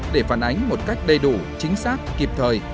để phản ánh một cách đầy đủ chính xác kịp thời